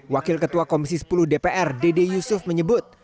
wakil ketua komisi sepuluh dpr dede yusuf menyebut